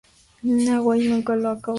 Nagai nunca lo ha acabado.